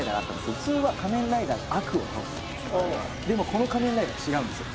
普通は仮面ライダー悪を倒すでもこの仮面ライダー違うんですよ